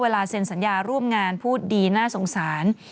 เซ็นสัญญาร่วมงานพูดดีน่าสงสาร